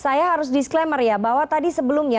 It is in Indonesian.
saya harus disclaimer ya bahwa tadi sebelumnya